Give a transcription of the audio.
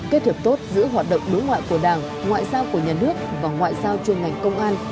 kết hợp tốt giữa hoạt động đối ngoại của đảng ngoại giao của nhà nước và ngoại giao chuyên ngành công an